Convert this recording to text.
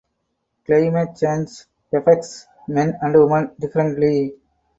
Climate change affects men and women differently.